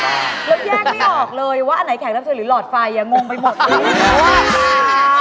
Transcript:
คุณแยกไม่ออกเลยว่าไหนแขกรับเชิญหรือหลอดไฟมงไปหมดเลย